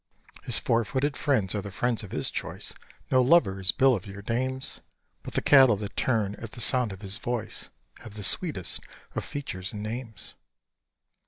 His four footed friends are the friends of his choice No lover is Bill of your dames; But the cattle that turn at the sound of his voice Have the sweetest of features and names.